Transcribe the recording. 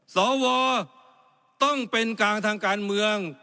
สวต้องเป็นกลางทางการเมือง